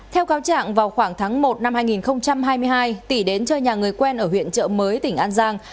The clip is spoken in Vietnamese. theo cáo trạng vào khoảng tháng một năm hai nghìn hai mươi hai tỷ đến chơi nhà người quen ở huyện trợ mới tỉnh an giang